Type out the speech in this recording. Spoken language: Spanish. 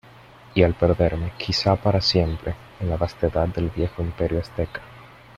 y al perderme, quizá para siempre , en la vastedad del viejo Imperio Azteca